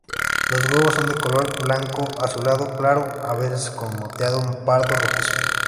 Los huevos son de color blanco azulado claro, a veces con moteado pardo rojizo.